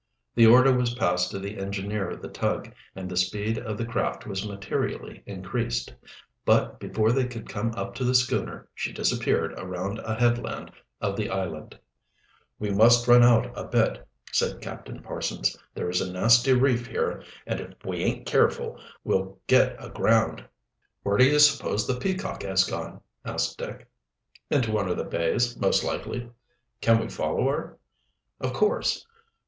The order was passed to the engineer of the tug, and the speed of the craft was materially increased. But before they could come up to the schooner she disappeared around a headland of the island. "We must run out a bit," said Captain Parsons. "There is a nasty reef here, and if we aint careful we'll get aground." "Where do you suppose the Peacock has gone?" asked Dick. "Into one of the bays, most likely." "Can we follow her?" "Of coarse.